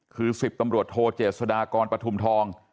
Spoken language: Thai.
คือ๑๐ตำรวจโทเจษฎากรปฐุมทอง